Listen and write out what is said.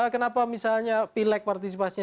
kenapa misalnya pilek partisipasinya